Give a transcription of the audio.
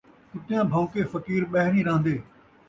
کتیاں بھون٘کے فقیر ٻہہ نئیں رہن٘دے